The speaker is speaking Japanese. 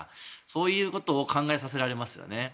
そういうことを考えさせられます。